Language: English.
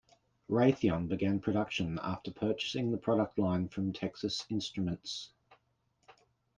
Raytheon began production after purchasing the product line from Texas Instruments.